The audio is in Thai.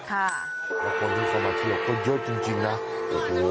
แล้วคนที่เข้ามาเที่ยวก็เยอะจริงจริงนะโอ้โห